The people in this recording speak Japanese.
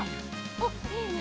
おっいいね！